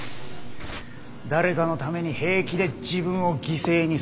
誰かのために平気で自分を犠牲にする。